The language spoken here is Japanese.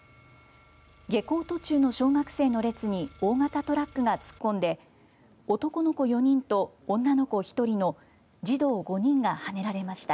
下校途中の小学生の列に大型トラックが突っ込んで男の子４人と、女の子１人の児童５人がはねられました。